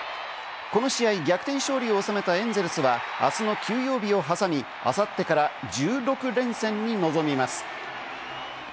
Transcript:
この試合、逆転勝利をおさめたエンゼルスはあすの休養日を挟み、あさってから１６連戦に臨みます。